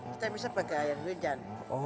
kita bisa pakai air hujan rinjan